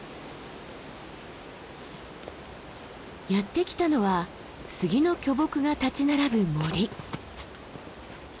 やって来たのは杉の巨木が立ち並ぶ森。